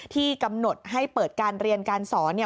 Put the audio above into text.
ที่กำหนดให้เปิดการเรียนการสอน